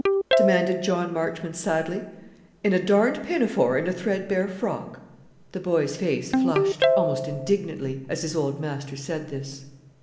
demanded John Marchmont sadly, "in a darned pinafore and a threadbare frock?" The boy's face flushed, almost indignantly, as his old master said this.